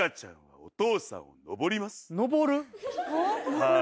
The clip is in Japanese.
はい。